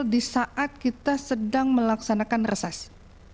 di saat kita sedang melaksanakan resesi